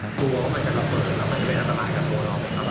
กลัวว่ามันจะระเบิดแล้วมันจะเป็นอันตรายกับตัวเราไหมครับ